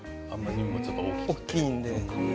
大きいので。